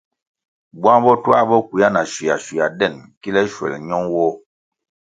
Bwang bo twā bo kwea na shua shua den kile shuel ño nwoh.